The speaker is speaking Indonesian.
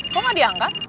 kok gak diangkat